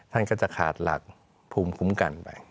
ท่านก็จะขาดหลักภูมิคุ้มกันไป